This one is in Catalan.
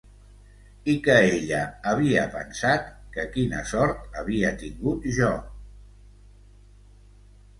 I que ella havia pensat que quina sort havia tingut jo...